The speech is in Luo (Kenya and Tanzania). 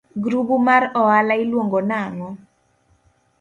Grubu mar oala iluongo nang'o?